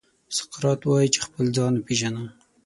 سقراط وايي چې خپل ځان وپېژنه.